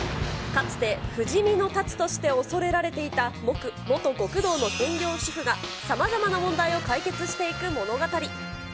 かつて不死身の龍として恐れられていた元極道の専業主夫がさまざまな問題を解決していく物語。